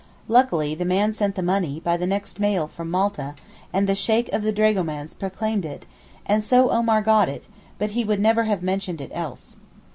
Luckily, the man sent the money by the next mail from Malta, and the Sheykh of the dragomans proclaimed it, and so Omar got it; but he would never have mentioned it else.